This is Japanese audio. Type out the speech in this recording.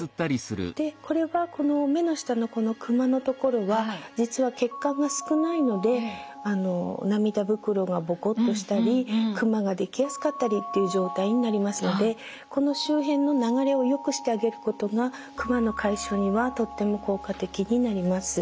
これはこの目の下のクマのところは実は血管が少ないので涙袋がボコッとしたりクマが出来やすかったりっていう状態になりますのでこの周辺の流れをよくしてあげることがクマの解消にはとっても効果的になります。